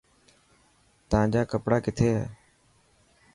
تان جا ڪپڙا ڪٿي هي.